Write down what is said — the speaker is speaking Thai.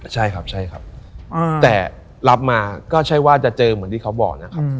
ใช่ครับใช่ครับแต่รับมาก็ใช่ว่าจะเจอเหมือนที่เขาบอกนะครับ